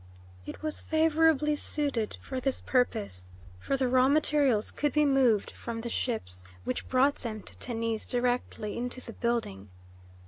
It was favourably situated for this purpose, for the raw materials could be moved from the ships which brought them to Tennis directly into the building.